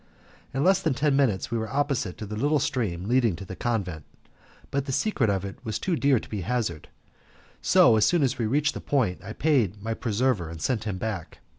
In less than ten minutes we were opposite to the little stream leading to the convent, but the secret of it was too dear to be hazarded, so as soon as we reached the point I paid my preserver and sent him back.